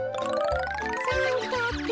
さんかく。